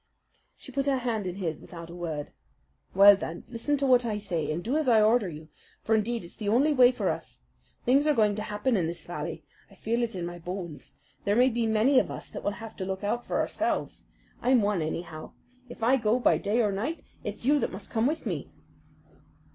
She put her hand in his without a word. "Well, then, listen to what I say, and do as I order you, for indeed it's the only way for us. Things are going to happen in this valley. I feel it in my bones. There may be many of us that will have to look out for ourselves. I'm one, anyhow. If I go, by day or night, it's you that must come with me!"